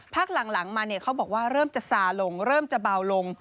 พักหลังมาเขาบอกว่าเริ่มจะซาลงเริ่มจะเบาลง